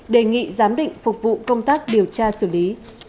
đề nghị giám định phục vụ công tác điều tra xử lý